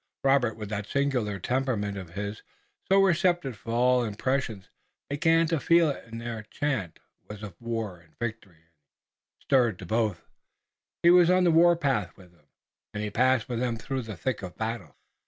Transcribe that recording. Robert, with that singular temperament of his, so receptive to all impressions, began to feel it. Their chant was of war and victory and he stirred to both. He was on the warpath with them, and he passed with them through the thick of battle.